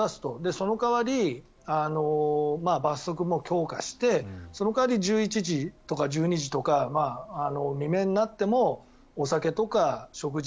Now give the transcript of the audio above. その代わり、罰則も強化してその代わり１１時とか１２時とか未明になってもお酒とか食事。